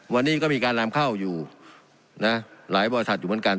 วันนี้ก็มีการนำเข้าอยู่นะหลายบริษัทอยู่เหมือนกัน